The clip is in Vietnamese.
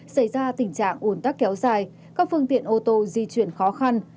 xảy ra tình trạng ủn tắc kéo dài các phương tiện ô tô di chuyển khó khăn